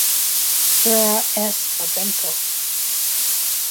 Vera S. Babenko.